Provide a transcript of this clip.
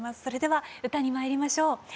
それでは歌にまいりましょう。